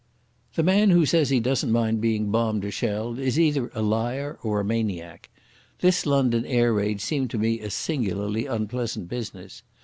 The man who says he doesn't mind being bombed or shelled is either a liar or a maniac. This London air raid seemed to me a singularly unpleasant business.